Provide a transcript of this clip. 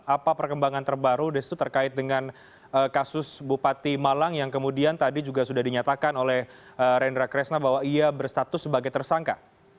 apa perkembangan terbaru destu terkait dengan kasus bupati malang yang kemudian tadi juga sudah dinyatakan oleh rendra kresna bahwa ia berstatus sebagai tersangka